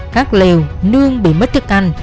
các lều nương bị mất thức ăn